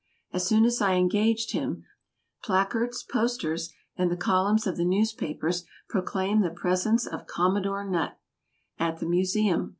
As soon as I engaged him, placards, posters and the columns of the newspapers proclaimed the presence of "Commodore Nutt," at the Museum.